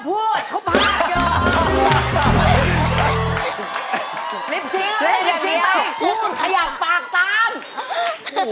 พูดขยับปากตาม